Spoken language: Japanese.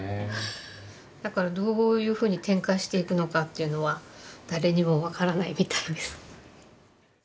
だからどういうふうに展開していくのかっていうのは誰にも分からないみたいです。